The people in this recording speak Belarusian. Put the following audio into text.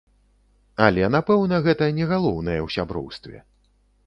Але, напэўна, гэта не галоўнае ў сяброўстве.